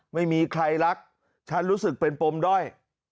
ไม่มีใครรักฉันรู้สึกเป็นปมด้อย